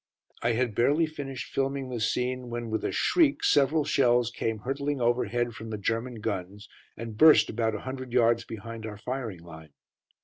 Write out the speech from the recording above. I had barely finished filming this scene when with a shriek several shells came hurtling overhead from the German guns and burst about a hundred yards behind our firing line.